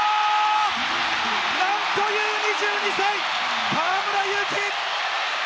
なんという２２歳、河村勇輝！